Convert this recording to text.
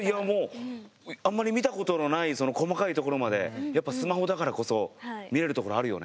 あんまり見たことのない細かいところまでやっぱスマホだからこそ見れるところあるよね。